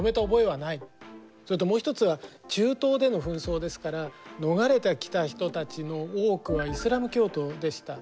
それともう一つは中東での紛争ですから逃れてきた人たちの多くはイスラーム教徒でした。